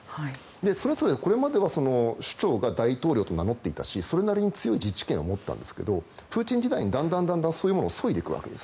これまでは主張が大統領と名乗っていたしそれなりに強い自治権を持っていたんですけどもプーチン時代にだんだんそいでいくわけです。